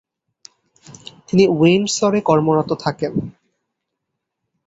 তিনি উইন্ডসরে কর্মরত থাকেন।